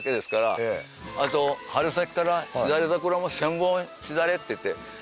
あと春先から枝垂れ桜も千本枝垂れっていって。